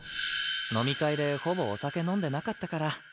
飲み会でほぼお酒飲んでなかったから。